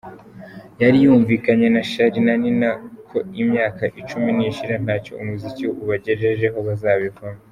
Yari yumvikanye na Charly na Nina ko imyaka icumi nishira ntacyo umuziki ubagejejeho bazabivamo.